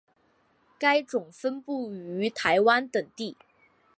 该种分布于台湾等地。